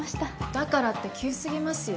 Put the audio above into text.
だからって急すぎますよ